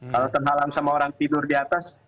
kalau terhalang sama orang tidur di atas